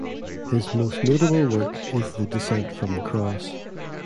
His most notable work is the Descent from the Cross.